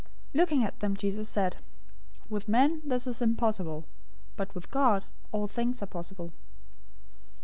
019:026 Looking at them, Jesus said, "With men this is impossible, but with God all things are possible."